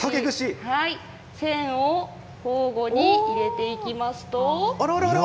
線を交互に入れていきますと。